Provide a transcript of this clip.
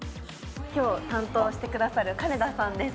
今日担当してくださる金田さんです